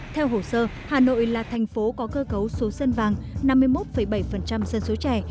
theo hồ sơ hà nội là thành phố có cơ cấu số dân vàng năm mươi một bảy dân số trẻ